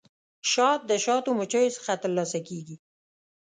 شات د شاتو مچیو څخه ترلاسه کیږي